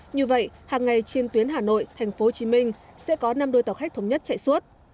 như vậy hàng ngày trên tuyến hà nội tp hcm sẽ có năm đôi tàu khách thống nhất chạy suốt